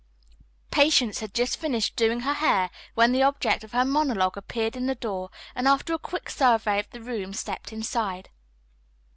Patience had just finished doing her hair when the object of her monologue appeared in the door and after a quick survey of the room stepped inside.